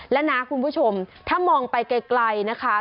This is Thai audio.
และนะคุณผู้ชมถ้ามองไปไกลนะคะ